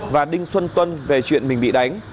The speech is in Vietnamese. và đinh xuân tuân về chuyện mình bị đánh